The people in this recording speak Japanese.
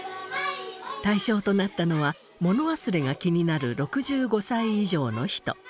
対象となったのはもの忘れが気になる６５歳以上の人。